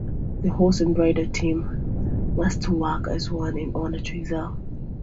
The horse and rider team must work as one in order to excel.